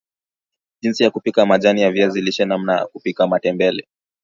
jinsi ya kupika majani ya viazi lishe namna ya kupika matembele